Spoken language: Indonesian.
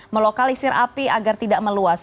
melokalisir api agar tidak meluas